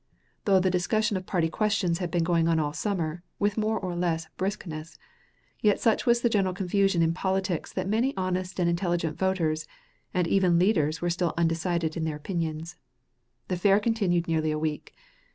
Though the discussion of party questions had been going on all summer with more or less briskness, yet such was the general confusion in politics that many honest and intelligent voters and even leaders were still undecided in their opinions. The fair continued nearly a week.